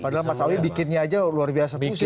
padahal mas awi bikinnya aja luar biasa pusing